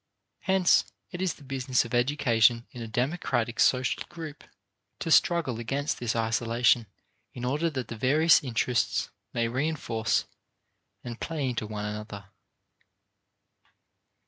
Hence it is the business of education in a democratic social group to struggle against this isolation in order that the various interests may reinforce and play into one another.